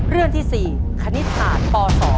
เรื่องที่๔ขณิฐฐป๒